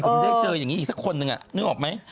ผมนี่ได้เจออีกสักคนนึงนึกออกไหม